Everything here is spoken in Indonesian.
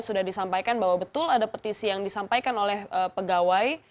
sudah disampaikan bahwa betul ada petisi yang disampaikan oleh pegawai